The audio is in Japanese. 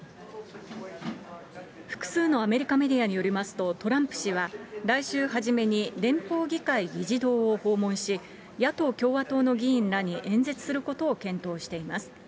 複数のアメリカメディアによりますと、トランプ氏は来週初めに、連邦議会議事堂を訪問し、野党・共和党の議員らに演説することを検討しています。